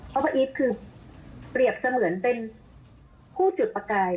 เพราะว่าอีทคือเปรียบเสมือนเป็นผู้จุดประกาย